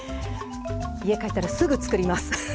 家帰ったらすぐ作ります。